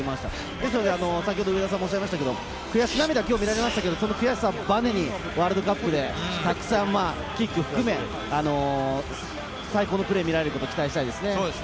ですので、悔し涙が今日みられましたけれども、その悔しさをバネにワールドカップでたくさんキックを含め、最高のプレーが見られることを期待したいですね。